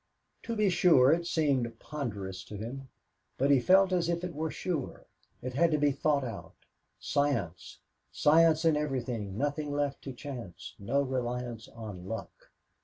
To be sure, it seemed ponderous to him, but he felt as if it were sure. It had been thought out. Science science in everything nothing left to chance no reliance on luck.